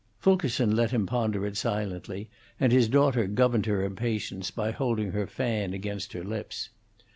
Fulkerson let him ponder it silently, and his daughter governed her impatience by holding her fan against her lips.